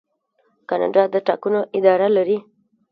کاناډا د ټاکنو اداره لري.